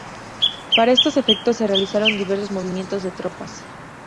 Para estos efectos, se realizaron diversos movimientos de tropas.